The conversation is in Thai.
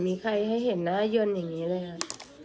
มีใครให้เห็นน่ายนอย่างนี้เลยแหละ